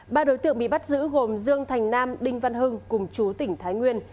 ba đối tượng bị bắt giữ gồm dương thành nam đinh văn hưng cùng chú tỉnh thái nguyên